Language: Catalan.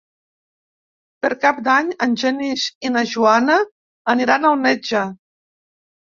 Per Cap d'Any en Genís i na Joana aniran al metge.